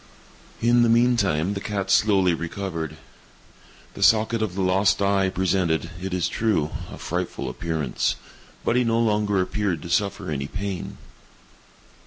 In the meantime the cat slowly recovered. The socket of the lost eye presented, it is true, a frightful appearance, but he no longer appeared to suffer any pain.